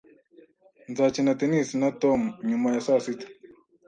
Nzakina tennis na Tom nyuma ya saa sita